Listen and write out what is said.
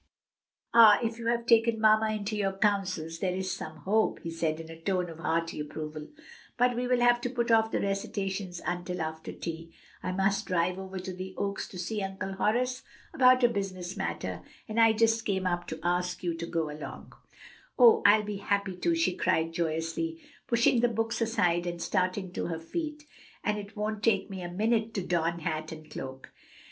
"Ah, if you have taken mamma into your counsels there is some hope," he said in a tone of hearty approval. "But we will have to put off the recitations until after tea. I must drive over to the Oaks to see Uncle Horace about a business matter, and I just came up to ask you to go along." "Oh, I'll be happy to!" she cried joyously, pushing the books aside and starting to her feet, "and it won't take me a minute to don hat and cloak."